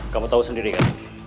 kamu tahu sendiri kan